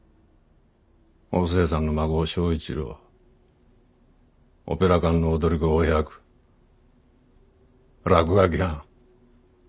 お勢さんの孫正一郎オペラ館の踊り子お百落書き犯。